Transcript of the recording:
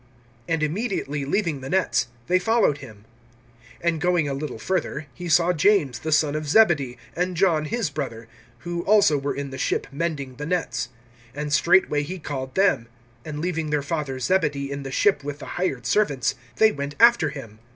(18)And immediately leaving the nets, they followed him. (19)And going a little further, he saw James the son of Zebedee, and John his brother, who also were in the ship mending the nets. (20)And straightway he called them; and leaving their father Zebedee in the ship with the hired servants, they went after him.